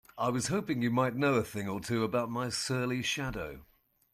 I was hoping you might know a thing or two about my surly shadow?